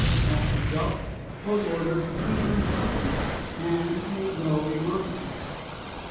Master Jup was ordered to keep him company, and made no remonstrance.